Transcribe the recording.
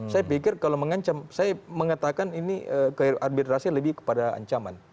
saya pikir kalau mengancam saya mengatakan ini arbitrasi lebih kepada ancaman